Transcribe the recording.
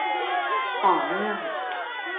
ต่อเนื่อง